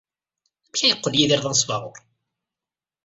Amek ay yeqqel Yidir d anesbaɣur?